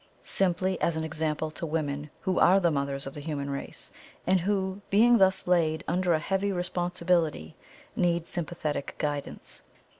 SIMPLY AS AN EXAMPLE TO WOMEN who are the mothers of the human race; and who, being thus laid under a heavy responsibility, need sympathetic guidance.